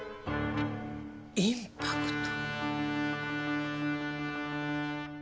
インパクト。